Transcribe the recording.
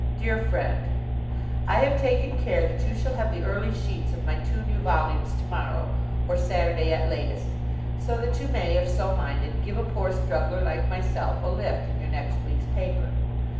DEAR FRIEND, I have taken care that you shall have the early sheets of my two new volumes to morrow, or Saturday at latest, so that you may, if so minded, give a poor struggler like myself a lift in your next week's paper.